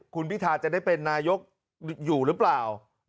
คุณพิทาจะได้เป็นนายกอยู่หรือเปล่า